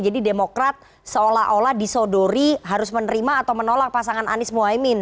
jadi demokrat seolah olah disodori harus menerima atau menolak pasangan anies muhaimin